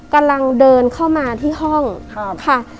กำลังเดินเข้ามาที่ห้องค่ะ